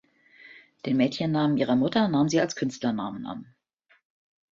Den Mädchennamen ihrer Mutter nahm sie als Künstlernamen an.